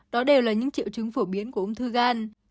đó đều là những triệu chứng phổ biến của ung thư gan